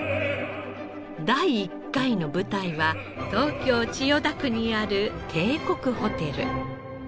第１回の舞台は東京千代田区にある帝国ホテル。